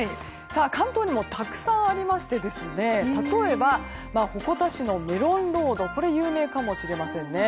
関東にもたくさんありまして例えば、鉾田市のメロンロードは有名かもしれませんね。